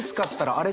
あれ？